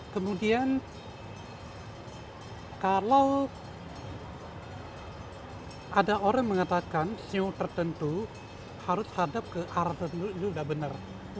kemudian kalau ada orang mengatakan siu tertentu harus hadap ke arah tertentu itu sudah benar